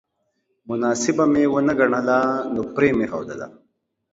مناسبه مې ونه ګڼله نو پرې مې ښودله